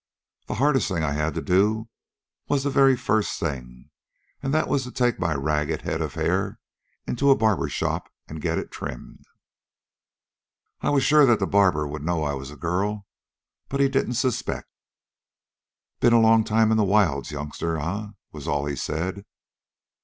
"The hardest thing I had to do was the very first thing, and that was to take my ragged head of hair into a barber shop and get it trimmed. I was sure that the barber would know I was a girl, but he didn't suspect. "'Been a long time in the wilds, youngster, eh?' was all he said.